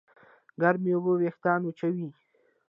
ګرمې اوبه وېښتيان وچوي.